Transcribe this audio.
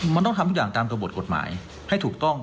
มันต้องทำทุกอย่างตามกระบดกฎหมายให้ถูกต้อง